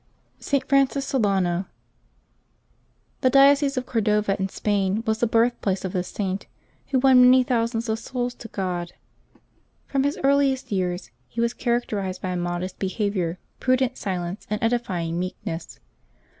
ST. FRANCIS SOLANO. ^^HE diocese of Cordova, in Spain, was the birthplace of V ^ this Saint, who won many thousands of souls to God. From his earliest years he was characterized by a modest behavior, prudent silence, and edifying meekness.